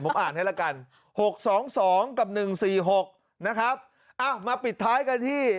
ผมอ่านให้ละกันหกสองสองกับหนึ่งสี่หกนะครับอ้าวมาปิดท้ายกันที่